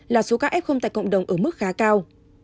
là số ca f tại cộng đồng ở mức khá cao